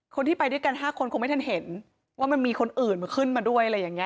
คนที่ไปด้วยกัน๕คนคงไม่ทันเห็นว่ามันมีคนอื่นมาขึ้นมาด้วยอะไรอย่างนี้